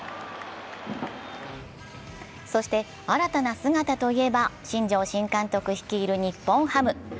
そして新たな姿といえば新庄新監督率いる日本ハム。